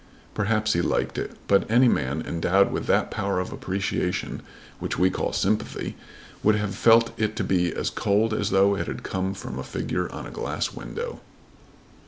Perhaps he liked it; but any man endowed with that power of appreciation which we call sympathy, would have felt it to be as cold as though it had come from a figure on a glass window.